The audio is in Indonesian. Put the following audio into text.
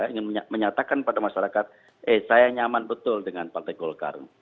ingin menyatakan pada masyarakat eh saya nyaman betul dengan partai golkar